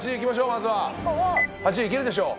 まずは８０いけるでしょう。